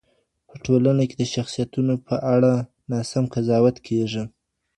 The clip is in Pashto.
په ټولنه کې د شخصیتونو په اړه ناسم قضاوت کیږي.